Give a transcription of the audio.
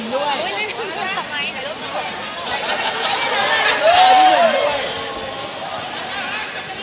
ก็ไม่มีคนกลับมาหรือเปล่า